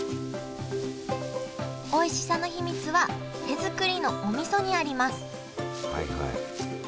おいしさの秘密は手作りのおみそにあります